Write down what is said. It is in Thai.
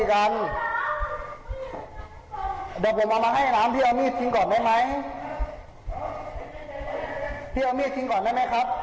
แจ้งเย็นแจ้งเย็น